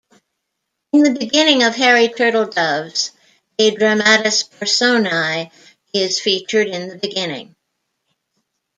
In the beginning of Harry Turtledove's a dramatis personae is featured in the beginning.